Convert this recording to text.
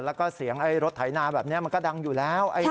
แล้วก็เสียงรถไถนาแบบนี้มันก็ดังอยู่แล้ว